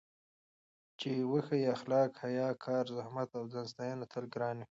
چې وښيي اخلاق، حیا، کار، زحمت او ځانساتنه تل ګران وي.